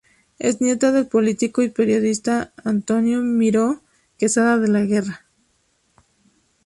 Es nieta del político y periodista Antonio Miró Quesada de la Guerra.